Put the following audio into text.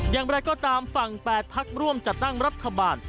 ยังแปลก็ตามฝั่ง๘ภักดิ์ร่วมจะตั้งรัฐบาล